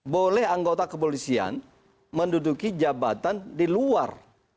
boleh anggota kepolisian menduduki jabatan di luar